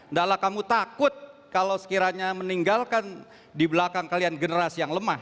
ndalah kamu takut kalau sekiranya meninggalkan di belakang kalian generasi yang lemah